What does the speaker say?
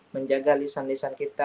menjaga lisan lisan kita